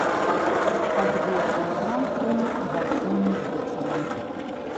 Ад восьмай ранку да сёмай вечара.